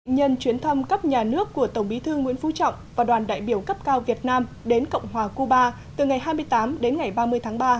nhân chuyến thăm cấp nhà nước của tổng bí thư nguyễn phú trọng và đoàn đại biểu cấp cao việt nam đến cộng hòa cuba từ ngày hai mươi tám đến ngày ba mươi tháng ba